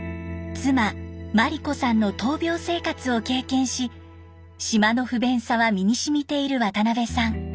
妻眞理子さんの闘病生活を経験し島の不便さは身にしみている渡邊さん。